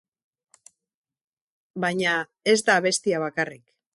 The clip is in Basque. Baina ez da abestia bakarrik.